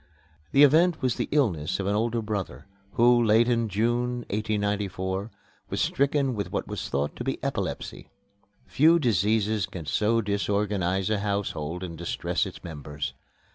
The event was the illness of an older brother, who, late in June, 1894, was stricken with what was thought to be epilepsy. Few diseases can so disorganize a household and distress its members.